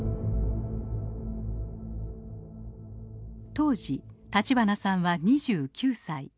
当時立花さんは２９歳。